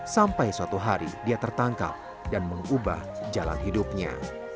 sampai suatu hari dia tertangkap dan mengubah jalan hidupnya